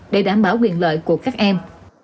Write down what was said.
để đảm bảo quyền lợi của các em